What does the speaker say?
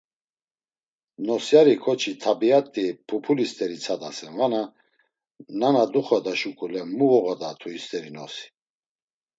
Nosyari ǩoçi tabiat̆i pupuli st̆eri tsadasen vana, nana duxoda şuǩule mu voğodatu hist̆eri nosi?